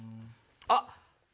あっ！